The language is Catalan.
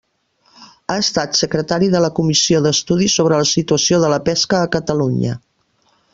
Ha estat Secretari de la Comissió d’Estudi sobre la Situació de la Pesca a Catalunya.